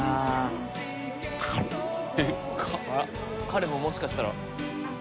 彼ももしかしたら。